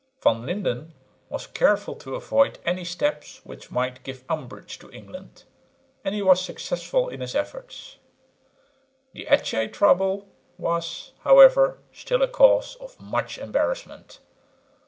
Van Lynden was careful to avoid any steps which might give umbrage to England, and he was successful in his efforts. The Achin trouble was, however, still a cause of much embarrassment.